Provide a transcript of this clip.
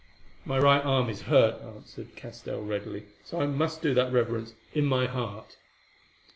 "My right arm is hurt," answered Castell readily, "so I must do that reverence in my heart."